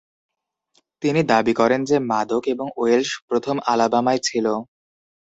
তিনি দাবি করেন যে মাদোক এবং ওয়েলশ প্রথম আলাবামায় ছিল।